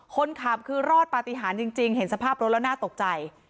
คนขับคือรอดปฏิหารจริงเห็นสภาพรถแล้วน่าตกใจ